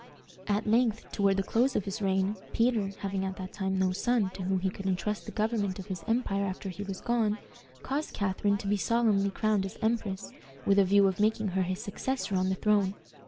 At length, toward the close of his reign, Peter, having at that time no son to whom he could intrust the government of his empire after he was gone, caused Catharine to be solemnly crowned as empress, with a view of making her his successor on the throne.